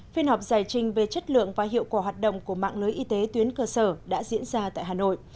phiên họp giải trình về chất lượng và hiệu quả hoạt động của mạng lưới y tế tuyến cơ sở đã diễn ra tại hà nội